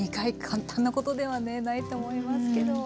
簡単なことではねないと思いますけど。